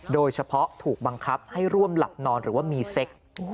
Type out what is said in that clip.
โดยเฉพาะถูกบังคับให้ร่วมหลับนอนหรือว่ามีเซ็ก